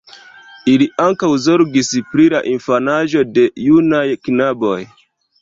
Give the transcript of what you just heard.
Ili ankaŭ zorgis pri la infanaĝo de junaj knaboj.